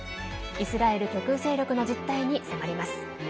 イスラエル極右勢力の実態に迫ります。